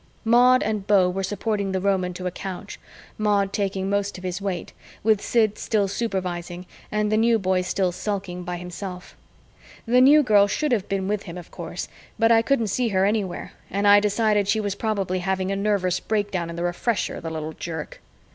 Maud and Beau were supporting the Roman to a couch, Maud taking most of his weight, with Sid still supervising and the New Boy still sulking by himself. The New Girl should have been with him, of course, but I couldn't see her anywhere and I decided she was probably having a nervous breakdown in the Refresher, the little jerk.